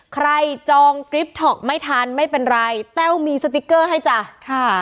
จองกริปท็อกไม่ทันไม่เป็นไรแต้วมีสติ๊กเกอร์ให้จ้ะค่ะ